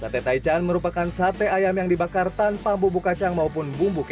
sate taichan merupakan sate ayam yang dibakar tanpa bubuk kacang maupun bumbu